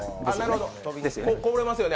こぼれますよね